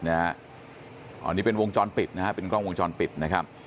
อันนี้เป็นวงจรปิดนะฮะเป็นกล้องวงจรปิดนะครับ